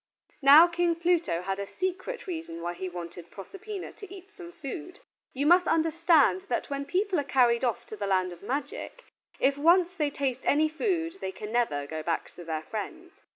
Now King Pluto had a secret reason why he wanted Proserpina to eat some food. You must understand that when people are carried off to the land of magic, if once they taste any food they can never go back to their friends.